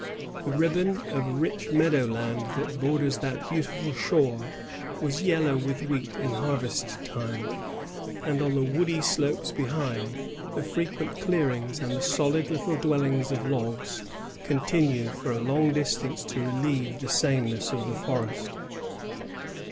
^ The ribbon of rich meadow land that borders that beauti ful shore was yellow with wheat in harvest time; and on the woody slopes behind, the frequent clear ings and the solid little dwellings of logs continued for a long distance to relieve the sameness of the forest.